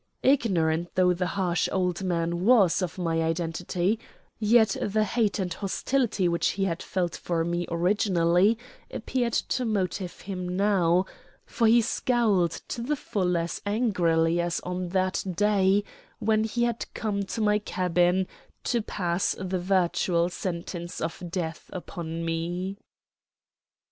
Ignorant though the harsh old man was of my identity, yet the hate and hostility which he had felt for me originally appeared to motive him now, for he scowled to the full as angrily as on that day when he had come to my cabin to pass the virtual sentence of death upon me.